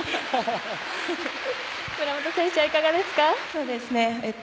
村元選手は、いかがですか？